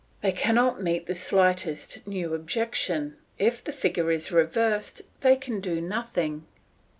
They cannot meet the slightest new objection; if the figure is reversed they can do nothing.